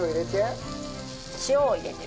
塩を入れて。